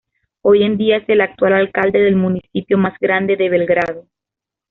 Hoy en día es el actual alcalde del municipio más grande de Belgrado.